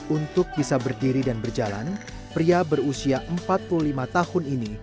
untuk bisa berdiri dan berjalan pria berusia empat puluh lima tahun ini